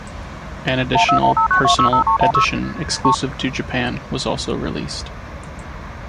An additional "Personal" edition exclusive to Japan was also released.